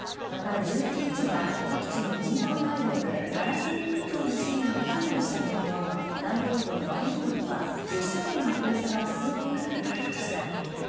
また、１１日は各地の人道回廊で７０００人以上の市民が避難したものの、南東部のマリウポリはロシア軍の封鎖が続いていると訴えました。